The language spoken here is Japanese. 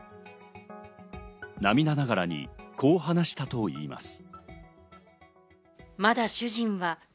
涙ながらに、こう話したといいます。